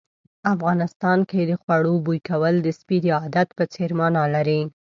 افغانستان کې د خوړو بوي کول د سپي د عادت په څېر مانا لري.